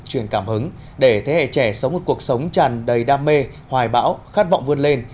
truyền cảm hứng để thế hệ trẻ sống một cuộc sống tràn đầy đam mê hoài bão khát vọng vươn lên